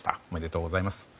おめでとうございます。